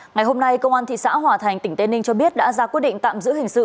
ngày hôm nay công an thị xã hòa thành tỉnh tây ninh cho biết đã ra quyết định tạm giữ hình sự